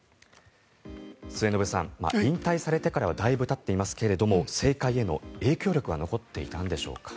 末延さん、引退されてからはだいぶたっていますけれども政界への影響力は残っていたんでしょうか。